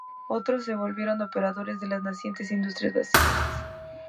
Otros, se volvieron operadores de las nacientes industrias brasileñas.